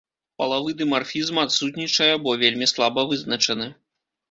Палавы дымарфізм адсутнічае або вельмі слаба вызначаны.